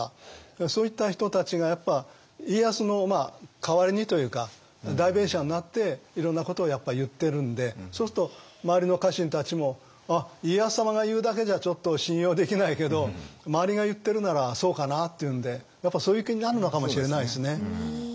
そういった人たちがやっぱ家康の代わりにというか代弁者になっていろんなことをやっぱ言ってるんでそうすると周りの家臣たちもあっ家康様が言うだけじゃちょっと信用できないけど周りが言ってるならそうかなっていうんでやっぱそういう気になるのかもしれないですね。